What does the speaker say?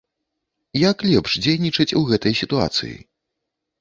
Як лепш дзейнічаць у гэтай сітуацыі?